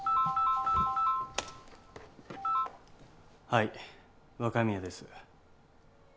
はい若宮です。